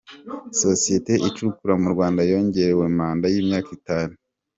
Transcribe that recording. Sosiyete icukura mu Rwanda yongerewe manda y’imyaka itanu